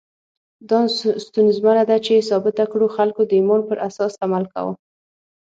دا ستونزمنه ده چې ثابته کړو خلکو د ایمان پر اساس عمل کاوه.